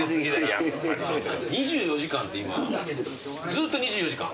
ずっと２４時間？